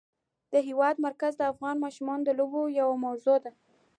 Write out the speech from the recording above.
د هېواد مرکز د افغان ماشومانو د لوبو یوه موضوع ده.